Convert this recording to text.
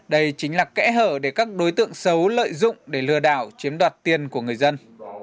đây chính là kẽ hở để các đối tượng xấu lợi dụng để lừa đảo chiếm đoạt tiền của người dân